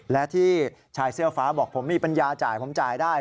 และที่ชายเสื้อฟ้าบอกผมมีปัญญาจ่ายผมจ่ายได้